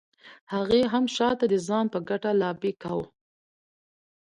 هغې هم شاته د ځان په ګټه لابي کاوه.